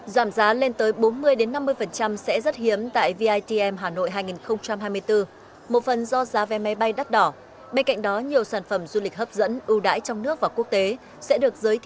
vitm hà nội hai nghìn hai mươi bốn thể hiện được xu thế của sự phát triển du lịch trong tương lai là một diễn đàn mở